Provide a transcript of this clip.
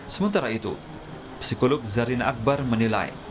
sementara itu psikolog zarin akbar menilai